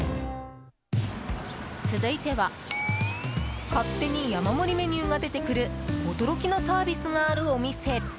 続いては勝手に山盛りメニューが出てくる驚きのサービスがあるお店。